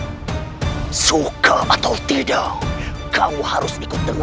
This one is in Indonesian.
ayo kalau begitu kita berangkat ke pajacaran sekarang juga